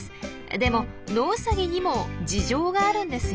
でもノウサギにも事情があるんですよ。